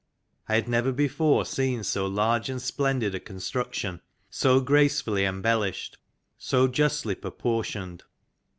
I had never before seen so large and splendid a construction, so gracefully embellished, so justly proportioned.